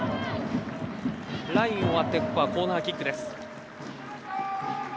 ラインを割ってここはコーナーキックです。